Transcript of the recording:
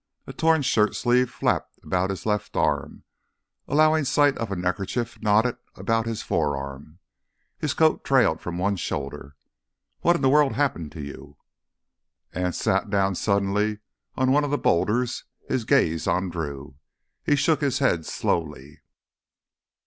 A torn shirt sleeve flapped about his left arm, allowing sight of a neckerchief knotted about his forearm. His coat trailed from one shoulder. "What in the world happened to you?" Anse sat down suddenly on one of the boulders, his gaze on Drew. He shook his head slowly.